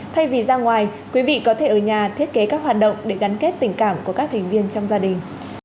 thay vì ra ngoài quý vị có thể ở nhà thiết kế các hoạt động để gắn kết tình cảm của các thành viên trong gia đình